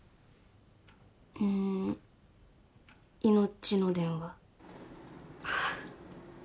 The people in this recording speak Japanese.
うんいのちの電話ハハ